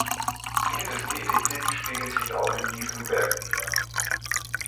Dieses Defizit spiegelt sich auch in diesem Werk wider.